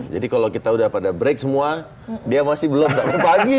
jadi kalau kita udah pada break semua dia masih belum pagi